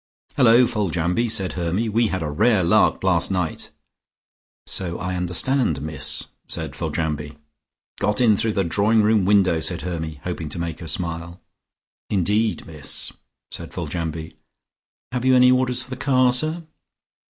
"Hullo, Foljambe," said Hermy. "We had a rare lark last night." "So I understand, miss," said Foljambe. "Got in through the drawing room window," said Hermy, hoping to make her smile. "Indeed, miss," said Foljambe. "Have you any orders for the car, sir?"